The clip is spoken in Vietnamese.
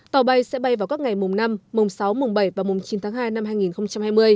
tàu bay sẽ bay vào các ngày mùng năm mùng sáu mùng bảy và mùng chín tháng hai năm hai nghìn hai mươi